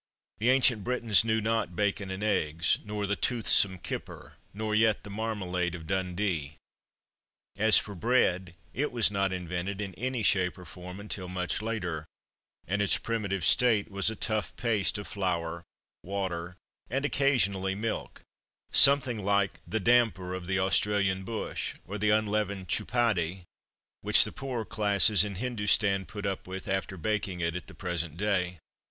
The ancient Britons knew not bacon and eggs, nor the toothsome kipper, nor yet the marmalade of Dundee. As for bread, it was not invented in any shape or form until much later; and its primitive state was a tough paste of flour, water, and (occasionally) milk something like the "damper" of the Australian bush, or the unleavened chupati which the poorer classes in Hindustan put up with, after baking it, at the present day.